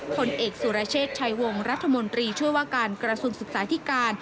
ผลเอกสุรเชษฐ์ชัยวงรัฐมนตรีช่วยว่าการกระทรวงศึกษาธิการ